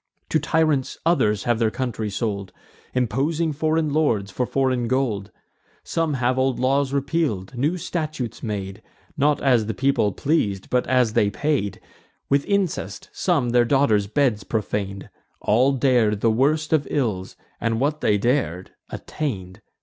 To tyrants others have their country sold, Imposing foreign lords, for foreign gold; Some have old laws repeal'd, new statutes made, Not as the people pleas'd, but as they paid; With incest some their daughters' bed profan'd: All dar'd the worst of ills, and, what they dar'd, attain'd.